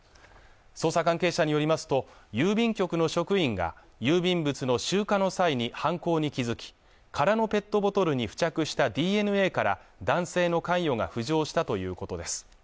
捜査関係者によりますと郵便局の職員が郵便物の集荷の際に犯行に気づき空のペットボトルに付着したＤＮＡから男性への関与が浮上したということです